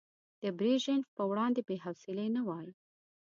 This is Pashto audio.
د بريژينف په وړاندې بې حوصلې نه وای.